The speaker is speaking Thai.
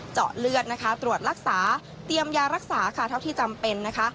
เจาะเลือดนะคะตรวจรักษาเตรียมยารักษาค่ะเท่าที่จำเป็นนะคะ